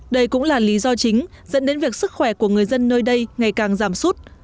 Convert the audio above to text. đây cũng là lý do chính dẫn đến việc sức khỏe của người dân nơi đây ngày càng giảm sút